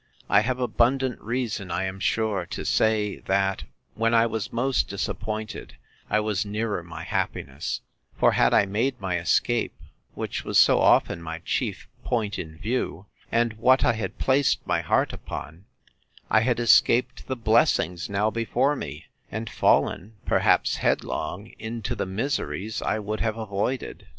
I have abundant reason, I am sure, to say, that, when I was most disappointed, I was nearer my happiness: for had I made my escape, which was so often my chief point in view, and what I had placed my heart upon, I had escaped the blessings now before me, and fallen, perhaps headlong, into the miseries I would have avoided.